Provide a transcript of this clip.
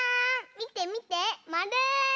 みてみてまる！